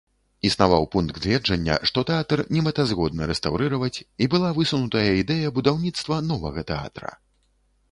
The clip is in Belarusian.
Існаваў пункт гледжання, што тэатр немэтазгодна рэстаўрыраваць, і была высунутая ідэя будаўніцтва новага тэатра.